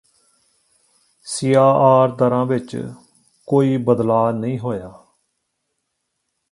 ਸੀਆਆਰ ਦਰਾਂ ਵਿੱਚ ਕੋਈ ਬਦਲਾਅ ਨਹੀਂ ਹੋਇਆ